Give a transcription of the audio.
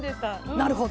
なるほど。